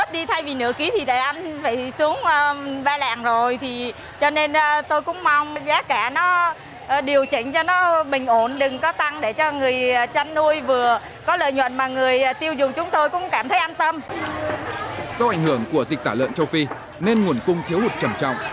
do ảnh hưởng của dịch tả lợn châu phi nên nguồn cung thiếu hụt trầm trọng